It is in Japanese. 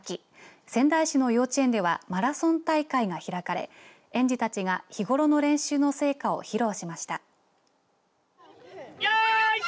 仙台市の幼稚園ではマラソン大会が開かれ園児たちが日頃の練習の成果を披露しました。